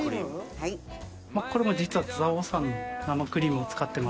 これも実は蔵王産の生クリームを使ってまして。